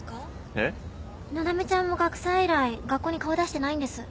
えっ？のだめちゃんも学祭以来学校に顔出してないんです。